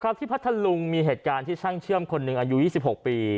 ที่พัทธลุงมีเหตุการณ์ที่ช่างเชื่อมคนหนึ่งอายุ๒๖ปี